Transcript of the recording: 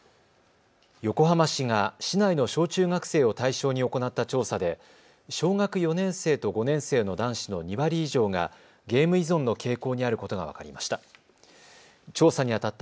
横浜市が市内の小中学生を対象に行った調査で小学４年生と５年生の男子の２割以上がゲーム依存の傾向にあることが分かりました。